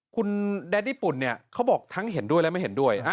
คุณแดดดี้ปุ่นเนี่ยเขาบอกทั้งเห็นด้วยและไม่เห็นด้วย